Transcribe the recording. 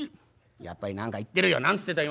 「やっぱり何か言ってるよ何つってた今？